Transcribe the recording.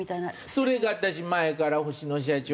それが私前から星野社長